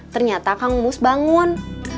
ternyata kang mus bangun